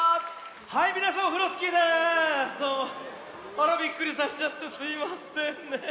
あらびっくりさせちゃってすいませんね。